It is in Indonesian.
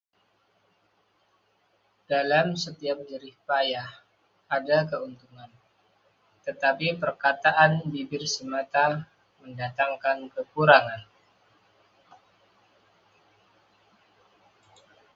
Dalam setiap jerih payah ada keuntungan, tetapi perkataan bibir semata mendatangkan kekurangan.